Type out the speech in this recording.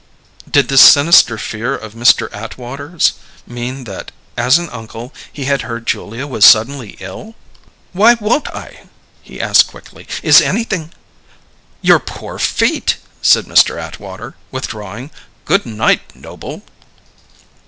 Did this sinister fear of Mr. Atwater's mean that, as an uncle, he had heard Julia was suddenly ill? "Why won't I?" he asked quickly. "Is anything " "Your poor feet!" said Mr. Atwater, withdrawing. "Good night, Noble."